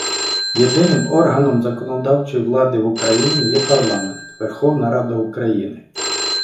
Єдиним органом законодавчої влади в Україні є парламент - Верховна Рада України.